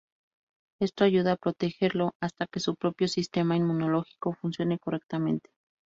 Esto ayuda a protegerlo hasta que su propio sistema inmunológico funcione correctamente.